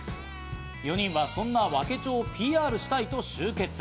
４人はそんな和気町をＰＲしたいと集結。